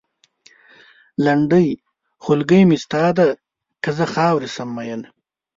لنډۍ؛ خولګۍ مې ستا ده؛ که زه خاورې شم مينه